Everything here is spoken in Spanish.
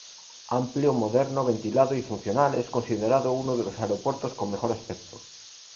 Amplio, moderno, ventilado y funcional, es considerado uno de los aeropuertos con mejor aspecto.